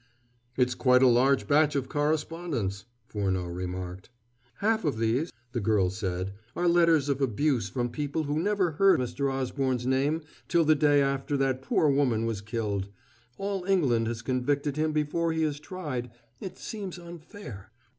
"It's quite a large batch of correspondence," Furneaux remarked. "Half of these," the girl said, "are letters of abuse from people who never heard Mr. Osborne's name till the day after that poor woman was killed. All England has convicted him before he is tried. It seems unfair."